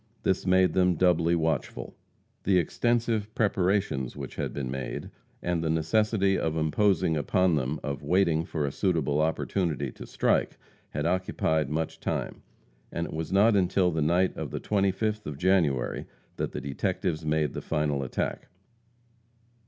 This made them doubly watchful. The extensive preparations which had been made, and the necessity imposed upon them of waiting for a suitable opportunity to strike, had occupied much time, and it was not until the night of the 25th of January, that the detectives made the final attack.